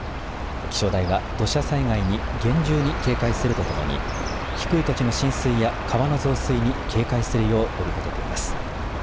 気象台は土砂災害に厳重に警戒するとともに低い土地の浸水や川の増水に警戒するよう呼びかけています。